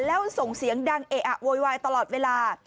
แล้วส่งเสียงดังเอะอะโวยวายตลอดเวลา